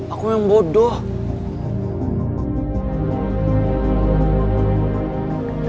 aku yang bodoh